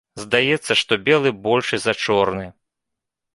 Здаецца, што белы большы за чорны.